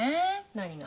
何が？